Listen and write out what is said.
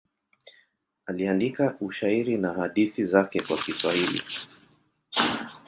Aliandika ushairi na hadithi zake kwa Kiswahili.